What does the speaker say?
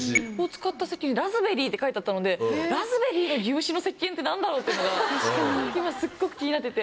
「ラズベリー」って書いてあったのでラズベリーで牛脂の石けんって何だろうっていうのが今すっごく気になってて。